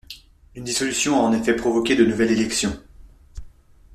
Une dissolution a en effet provoqué de nouvelles élections.